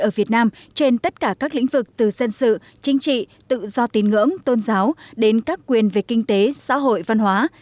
ở việt nam trên tất cả các lĩnh vực từ dân sự chính trị tự do tín ngưỡng tôn giáo đến các quyền về kinh tế xã hội văn hóa